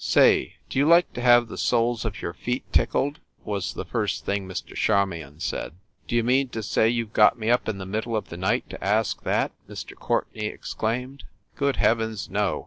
"Say, do you like to have the soles of your feet tickled?" was the first thing Mr. Charmion said. "D you mean to say you ve got me up in the mid dle of the night to ask that?" Mr. Courtenay ex claimed. "Good heavens, no